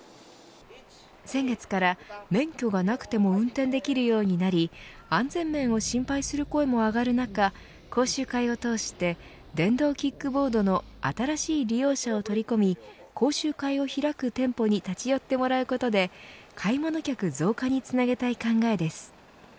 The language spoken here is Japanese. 先月から、免許がなくても運転できるようになり安全面を心配する声も上がる中講習会を通して電動キックボードの新しい利用者を取り込み講習会を開く店舗に立ち寄ってもらうことで買い物客増加につなげたい考えです。